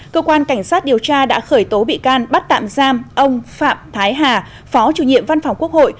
cơ quan cảnh sát điều tra đã khởi tố bị can bắt tạm giam ông phạm thái hà phó chủ nhiệm văn phòng quốc hội